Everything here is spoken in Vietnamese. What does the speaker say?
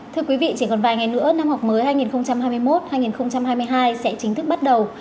thưa quý vị chỉ còn vài ngày nữa năm học mới hai nghìn hai mươi một hai nghìn hai mươi hai sẽ chính thức bắt đầu